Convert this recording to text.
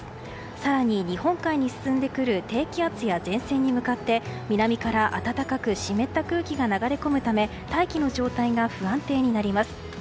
更に日本海に進んでくる低気圧や前線に向かって南から暖かく湿った空気が流れ込むため大気の状態が不安定になります。